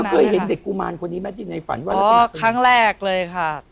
แล้วเคยเห็นเด็กกุมารคนนี้แม้ที่ในฝันว่าอ๋อครั้งแรกเลยค่ะ